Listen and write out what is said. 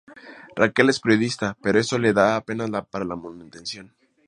Raquel es periodista pero esto le da apenas para la manutención.